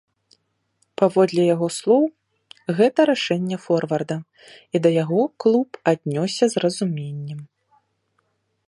Паводле яго слоў, гэта рашэнне форварда і да яго клуб аднёсся з разуменнем.